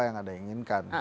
yang ada yang inginkan